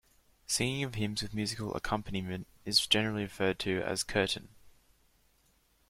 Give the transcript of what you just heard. Singing of hymns with musical accompaniment is generally referred to as "Kirtan".